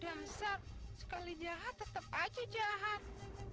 hah dasar sekali jahat tetep aja jahat